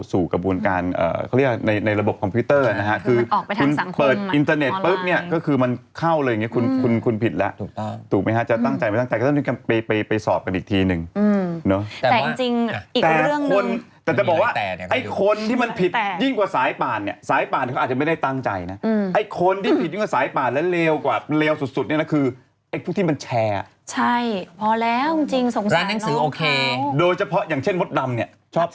เสร็จหมดแหละฉั่งทั้งหลาย